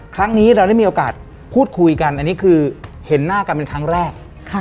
ครั้งนี้เราได้มีโอกาสพูดคุยกันอันนี้คือเห็นหน้ากันเป็นครั้งแรก